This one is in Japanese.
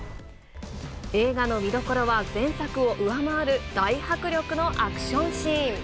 映画の見どころは、前作を上回る大迫力のアクションシーン。